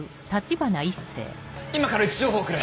今から位置情報送る！